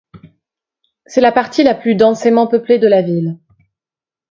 C'est la partie la plus densément peuplée de la ville.